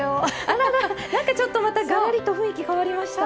あららなんかちょっとまたがらりと雰囲気変わりました。